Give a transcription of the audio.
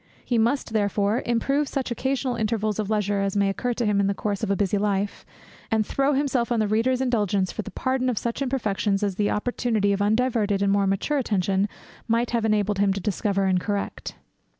He must, therefore, improve such occasional intervals of leisure as may occur to him in the course of a busy life, and throw himself on the Reader's indulgence for the pardon of such imperfections, as the opportunity of undiverted and more mature attention might have enabled him to discover and correct.